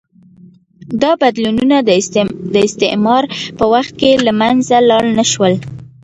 دا بدلونونه د استعمار په وخت کې له منځه لاړ نه شول.